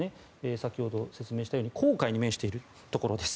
先ほど説明したように紅海に面しているところです。